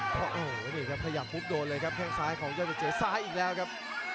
พยายามปุ๊บโดนเลยครับแข้งซ้ายของยอดเจเจซ้ายอีกแล้วครับ